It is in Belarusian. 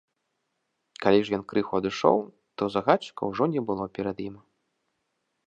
Калі ж ён крыху адышоў, то загадчыка ўжо не было перад ім.